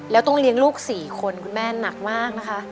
แล้วต้องเลี้ยงลูก๔คนคุณแม่หนักมากนะคะ